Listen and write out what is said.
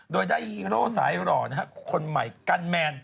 โดยได้ฮีโร่สายหล่อนะฮะคนใหม่กันแมน